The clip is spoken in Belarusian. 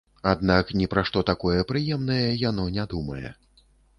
Аднак ні пра што такое прыемнае яно не думае.